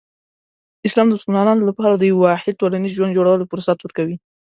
اسلام د مسلمانانو لپاره د یو واحد ټولنیز ژوند جوړولو فرصت ورکوي.